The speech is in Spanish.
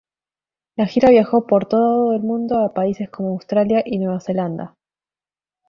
La gira viajó por todo el mundo a países como Australia y Nueva Zelanda.